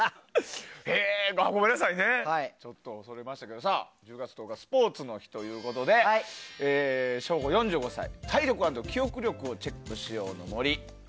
ごめんなさいねちょっとそれましたけども１０月１０日スポーツの日ということで省吾４５歳、体力＆記憶力をチェックしようの森。